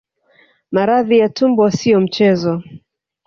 Maradhi ya tumbo sio mchezo